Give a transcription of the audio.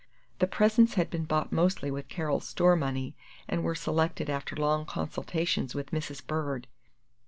The presents had been bought mostly with Carol's story money, and were selected after long consultations with Mrs. Bird.